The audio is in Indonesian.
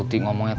dia semisal hai